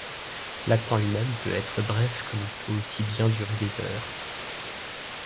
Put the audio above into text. L'acte en lui-même peut être bref comme il peut aussi bien durer des heures.